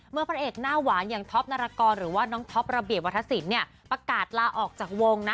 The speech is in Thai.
พระเอกหน้าหวานอย่างท็อปนารกรหรือว่าน้องท็อประเบียบวัฒนศิลป์ประกาศลาออกจากวงนะ